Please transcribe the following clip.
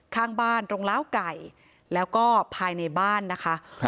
ข้างบ้านตรงล้าวไก่แล้วก็ภายในบ้านนะคะ